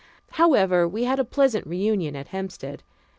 However, we had a pleasant reunion at Hempstead.